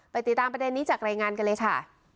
ติดตามประเด็นนี้จากรายงานกันเลยค่ะ